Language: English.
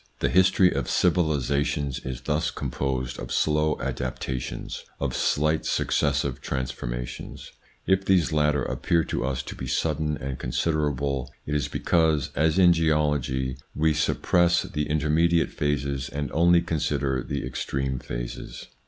The history of civilisations is thus composed of slow adaptations, of slight successive transformations. If these latter appear to us to be sudden and consider able, it is because, as in geology, we suppress the intermediate phases and only consider the extreme phases.